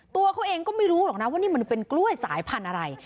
ตัวเขาเองก็ไม่รู้หรอกนะว่านี่มันเป็นกล้วยสายพันธุ์อะไร